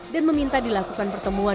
dan meminta dilakukan pertemuan